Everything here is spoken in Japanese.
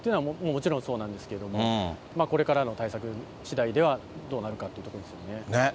もちろんそうなんですけれども、これからの対策しだいではどうなるかってことですよね。